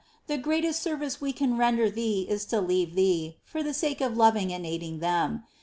The greatest service we can render Thee is to leave Thee, for the sake of loving and aiding them.